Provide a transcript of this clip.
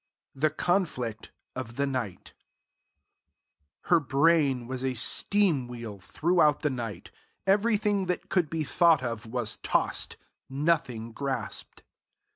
THE CONFLICT OF THE NIGHT Her brain was a steam wheel throughout the night; everything that could be thought of was tossed, nothing grasped.